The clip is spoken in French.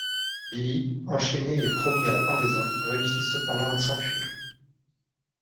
Billy, enchaîné et promis à la pendaison, réussit cependant à s'enfuir.